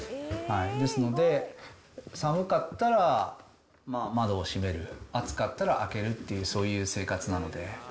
ですので、寒かったら窓を閉める、暑かったら開けるっていうそういう生活なので。